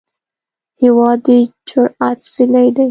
هېواد د جرئت څلی دی.